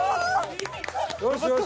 よしよし。